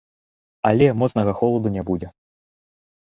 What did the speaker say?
Але моцнага холаду не будзе.